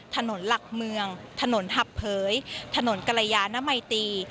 ถนนหลักเมืองถนนหับเผยถนนกรยานมัยตี